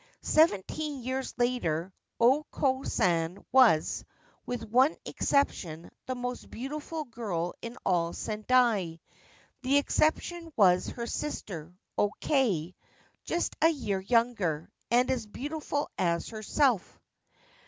Seventeen years later O Ko San was, with one exception, the most beautiful girl in all Sendai ; the exception was her sister, O Kei, just a year younger, and as beautiful as herself.